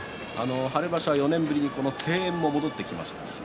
春場所は４年ぶりに声援も戻ってきました。